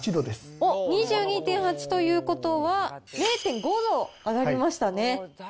おっ、２２．８ということは、０．５度上がりましたね。